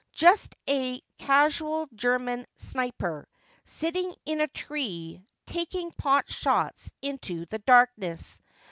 Just a casual German sniper, sitting in a tree, taking pot shots into the darkness.